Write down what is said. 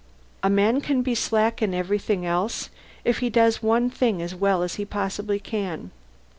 A man can be slack in everything else, if he does one thing as well as he possibly can.